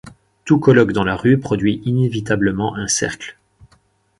Tout colloque dans la rue produit inévitablement un cercle.